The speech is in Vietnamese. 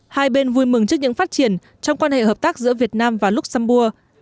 hai bên vui mừng trước những phát triển trong quan hệ hợp tác giữa việt nam và luxembourg